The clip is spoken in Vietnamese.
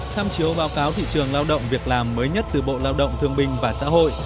tham chiếu báo cáo thị trường lao động việc làm mới nhất từ bộ lao động thương bình và xã hội